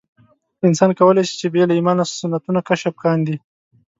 انسان کولای شي چې بې له ایمانه سنتونه کشف کاندي.